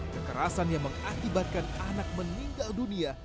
kekerasan yang mengakibatkan anak meninggal dunia